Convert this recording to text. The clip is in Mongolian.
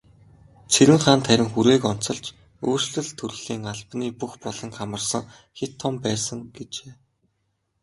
Цэрэнханд харин хүрээг онцолж, "өөрчлөлт төрийн албаны бүх буланг хамарсан хэт том байсан" гэжээ.